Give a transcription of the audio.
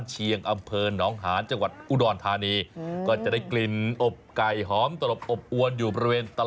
เหรอครับที่ไหนฟะโฟตร